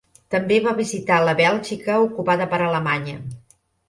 També va visitar la Bèlgica ocupada per Alemanya.